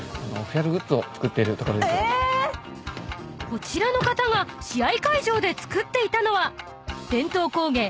［こちらの方が試合会場で作っていたのは伝統工芸］